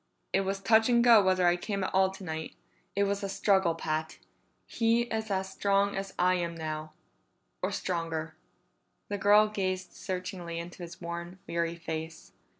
"It was touch and go whether I came at all tonight. It was a struggle, Pat; he is as strong as I am now. Or stronger." The girl gazed searchingly into his worn, weary face.